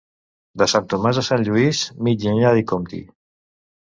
De Sant Tomàs a Sant Lluís, mitja anyada hi comptí.